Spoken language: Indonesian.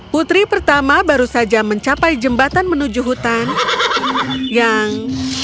putri pertama baru saja mencapai jembatan menuju hutan yang